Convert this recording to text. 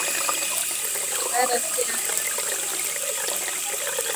Bana sikia haya ju bali chambulana